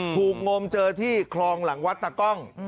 งมเจอที่คลองหลังวัดตากล้อง